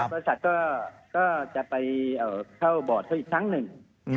บริษัทก็จะไปเข้าบอร์ดเขาอีกครั้งหนึ่ง